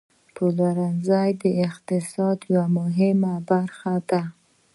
پلورنځی د اقتصاد یوه مهمه برخه ده.